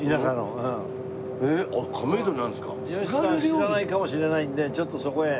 知らないかもしれないのでちょっとそこへ。